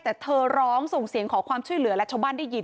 แต่เธอร้องส่งเสียงขอความช่วยเหลือและชาวบ้านได้ยิน